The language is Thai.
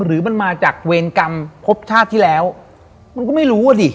หรือมันมาจากเวรกรรมพบชาติที่แล้วมันก็ไม่รู้อ่ะดิ